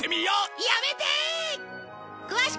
やめてー！